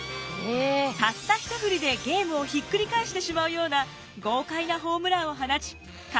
たったひとふりでゲームをひっくり返してしまうような豪快なホームランを放ち観客を熱狂させました！